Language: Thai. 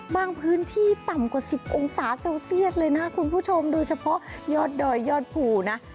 พื้นที่ต่ำกว่า๑๐องศาเซลเซียสเลยนะคุณผู้ชมโดยเฉพาะยอดดอยยอดภูนะ